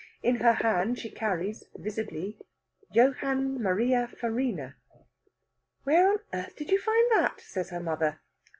In her hand she carries, visibly, Johann Maria Farina. "Where on earth did you find that?" says her mother.